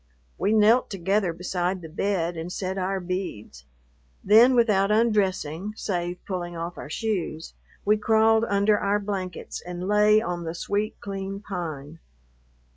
We knelt together beside the bed and said our beads; then, without undressing save pulling off our shoes, we crawled under our blankets and lay on the sweet, clean pine.